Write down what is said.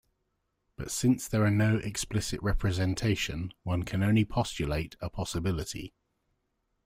But since there are no explicit representation, one can only postulate a possibility.